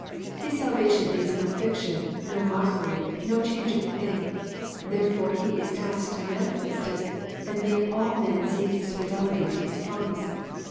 His salvation is no fiction, no mockery, no changeable thing, therefore he is asked to manifest it, and make all men see his fidelity to his promise.